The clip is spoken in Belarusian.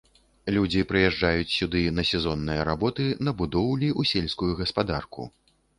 Людзі прыязджаюць сюды на сезонныя работы, на будоўлі, у сельскую гаспадарку.